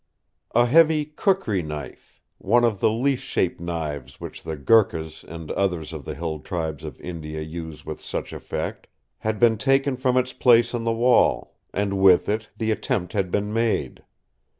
A heavy "kukri" knife—one of the leaf shaped knives which the Gurkhas and others of the hill tribes of India use with such effect—had been taken from its place on the wall, and with it the attempt had been made.